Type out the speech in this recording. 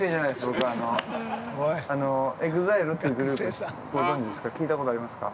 僕、ＥＸＩＬＥというグループご存じですか。